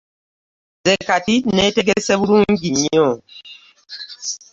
Nze kati neetegese bulungi nnyo.